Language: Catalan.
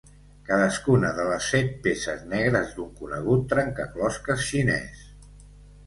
Cadascuna de les set peces negres d'un conegut trencaclosques xinès.